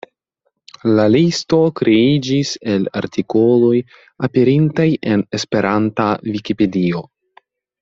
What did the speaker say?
La listo kreiĝis el artikoloj aperintaj en Esperanta Vikipedio.